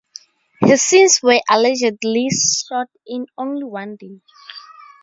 Her scenes were allegedly shot in only one day.